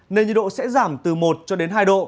nên nhiệt độ sẽ giảm từ một cho đến hai độ